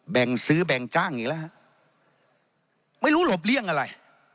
แบ่งซื้อแบ่งจ้างอีกแล้วฮะไม่รู้หลบเลี่ยงอะไร